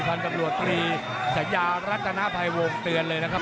พันธุ์ตำรวจตรีสัญญารัฐนาภัยวงเตือนเลยนะครับ